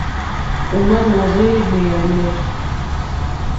Ò má nà rzéyé ɡbèànè.